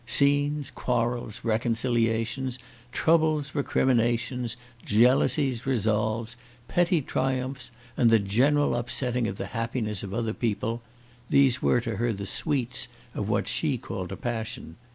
Scenes, quarrels, reconciliations, troubles, recriminations, jealousies, resolves, petty triumphs, and the general upsetting of the happiness of other people, these were to her the sweets of what she called a passion.